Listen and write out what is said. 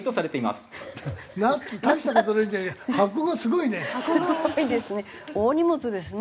すごいですね。